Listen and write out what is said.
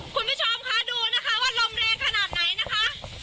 คุณผู้ชมคะดูนะคะว่าลมแรงขนาดไหนนะคะ